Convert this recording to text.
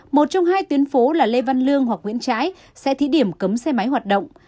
một trong hai tuyến phố là lê văn lương hoặc nguyễn trãi sẽ thí điểm cấm xe máy hoạt động